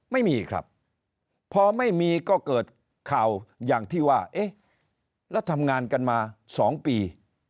ไม่มีครับพอไม่มีก็เกิดข่าวอย่างที่ว่าเอ๊ะแล้วทำงานกันมา๒ปี